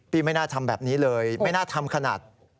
ไม่น่าทำแบบนี้เลยไม่น่าทำขนาด